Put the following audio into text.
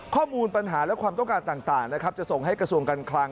ข้อมูลปัญหาและความต้องการต่างนะครับจะส่งให้กระทรวงการคลัง